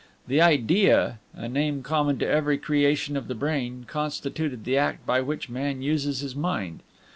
The Idea, a name common to every creation of the brain, constituted the act by which man uses his mind.